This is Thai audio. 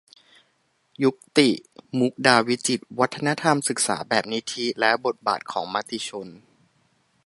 ยุกติ มุกดาวิจิตร : วัฒนธรรมศึกษาแบบนิธิ และบทบาทของมติชน